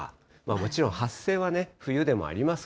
もちろん、発生はね、冬でもあります